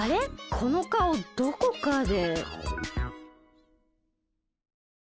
このかおどこかで。